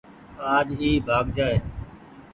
آج اي ڀآڳ جآئي ۔